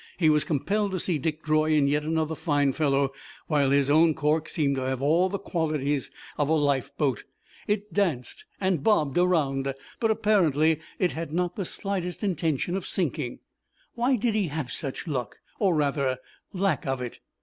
He was compelled to see Dick draw in yet another fine fellow, while his own cork seemed to have all the qualities of a lifeboat. It danced and bobbed around, but apparently it had not the slightest intention of sinking. Why did he have such luck, or rather lack of it?